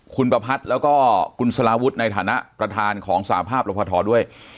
คุณประพัทธ์แล้วก็คุณสลาวุฒิในฐานะประธานของสาภาพรพทด้วย